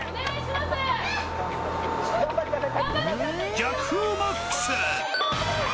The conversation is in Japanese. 逆風マックス！